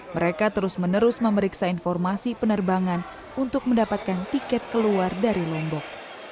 mereka terus menerus memeriksa informasi penerbangan untuk mendapatkan tiket keluar dari lombok